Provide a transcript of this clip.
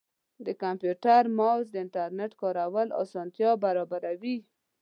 د کمپیوټر ماؤس د انټرنیټ کارولو اسانتیا برابروي.